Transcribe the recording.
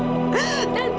kamu mau bikin kamu muntah